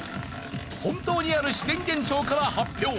本当にある自然現象から発表。